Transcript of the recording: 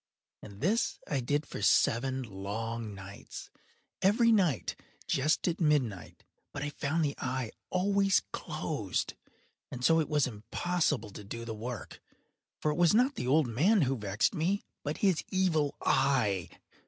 And this I did for seven long nights—every night just at midnight—but I found the eye always closed; and so it was impossible to do the work; for it was not the old man who vexed me, but his Evil Eye.